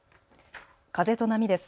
風と波です。